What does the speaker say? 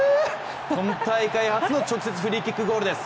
今大会初の直接フリーキックゴールです